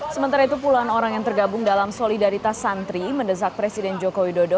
sementara itu puluhan orang yang tergabung dalam solidaritas santri mendesak presiden joko widodo